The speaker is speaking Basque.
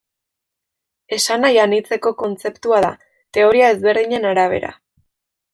Esanahi anitzeko kontzeptua da, teoria ezberdinen arabera.